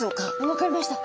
分かりました。